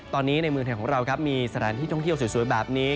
ตอนนี้ในเมืองไทยของเราครับมีสถานที่ท่องเที่ยวสวยแบบนี้